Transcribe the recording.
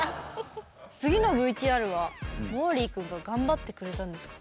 次のＶＴＲはもーりーくんが頑張ってくれたんですか？